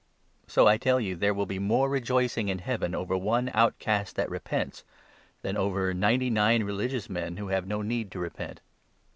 So, I tell you, there will be more rejoicing in Heaven over 7 one outcast that repents, than over ninety nine religious men, who have no need to repent.